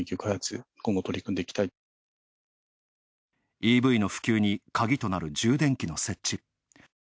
ＥＶの普及にカギとなる、充電器の設置。